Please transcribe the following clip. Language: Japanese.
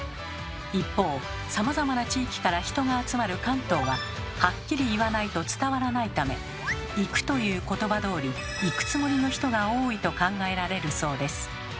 一方さまざまな地域から人が集まる関東はハッキリ言わないと伝わらないため「行く」という言葉どおり行くつもりの人が多いと考えられるそうです。